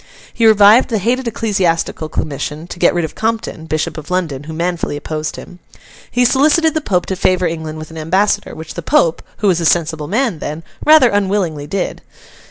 He revived the hated Ecclesiastical Commission, to get rid of Compton, Bishop of London, who manfully opposed him. He solicited the Pope to favour England with an ambassador, which the Pope (who was a sensible man then) rather unwillingly did.